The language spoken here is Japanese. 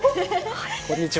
こんにちは。